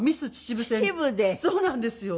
そうなんですよ。